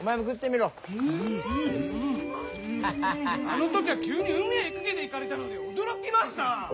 あの時は急に海へ駆けていかれたので驚きました。